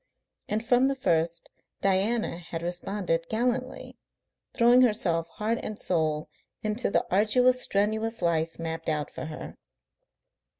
And from the first Diana had responded gallantly, throwing herself heart and soul into the arduous, strenuous life mapped out for her.